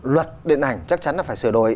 luật điện ảnh chắc chắn là phải sửa đổi